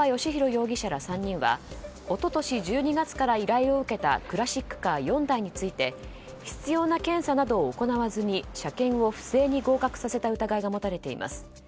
容疑者ら３人は一昨年の１２月から依頼を受けたクラシックカー４台について必要な検査などを行わずに車検を不正に合格させた疑いが持たれています。